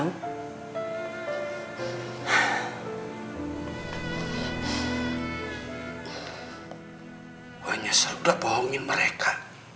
gue nyesel udah bohongin mereka